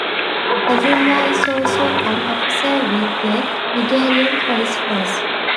Ajunwa is also an officer with the Nigerian Police Force.